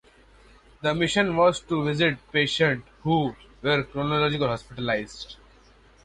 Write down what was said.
The mission was to visit patients who were chronically hospitalized.